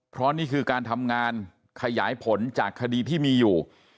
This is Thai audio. เพราะนี่คือการทำงานขยายผลจากคดีที่มีอยู่